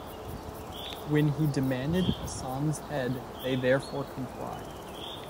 When he demanded Hasan's head, they therefore complied.